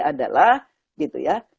adalah gitu ya